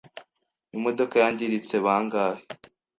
Imodoka yangiritse bangahe?